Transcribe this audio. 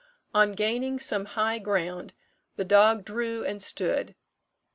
"On gaining some high ground, the dog drew and stood.